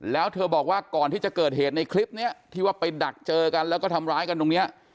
แล้วเธอบอกว่าก่อนที่จะเกิดเหตุในคลิปนี้ที่ว่าไปดักเจอกันแล้วก็ทำร้ายกันตรงนี้